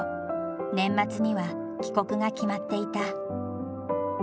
年末には帰国が決まっていた。